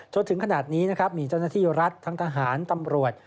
จนถึงขนาดนี้นะครับมีเจ้าหน้าที่รัฐทั้งทหารตำรวจ